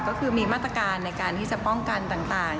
ก็คือมีมาตรการในการที่จะป้องกันต่าง